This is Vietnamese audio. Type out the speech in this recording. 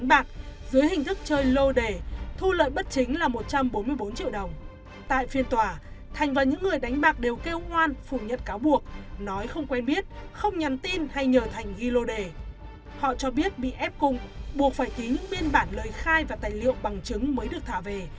buộc phải ký những biên bản lời khai và tài liệu bằng chứng mới được thả về